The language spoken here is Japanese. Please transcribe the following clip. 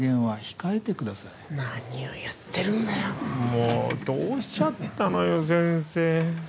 もうどうしちゃったのよ先生。